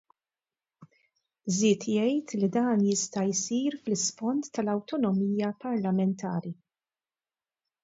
Żied jgħid li dan jista' jsir fl-isfond tal-awtonomija parlamentari.